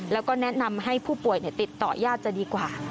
แล้วก็แนะนำให้ผู้ป่วยติดต่อยาดจะดีกว่า